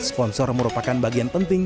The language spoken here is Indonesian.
sponsor merupakan bagian penting